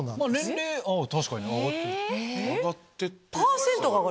確かに上がってる。